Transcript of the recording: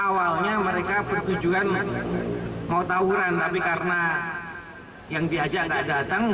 awalnya mereka bertujuan mau tawuran tapi karena yang diajak nggak datang